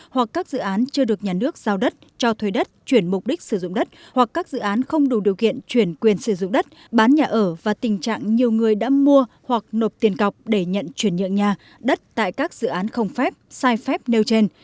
hoặc các dự án chưa được nhà nước giao đất cho thuê đất chuyển mục đích sử dụng đất hoặc các dự án không đủ điều kiện chuyển quyền sử dụng đất bán nhà ở và tình trạng nhiều người đã mua hoặc nộp tiền cọc để nhận chuyển nhượng nhà đất tại các dự án không phép sai phép nêu trên